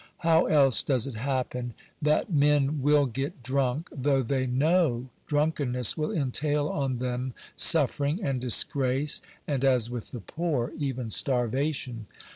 How else does it happen that men will get drunk, though they know drunkenness will entail on them suffering, and disgrace, and (as with the poor) even starvation